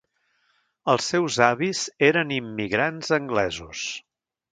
Els seus avis eren immigrants anglesos.